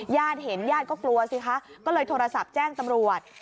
ญาติเห็นญาติก็กลัวสิคะก็เลยโทรศัพท์แจ้งตำรวจ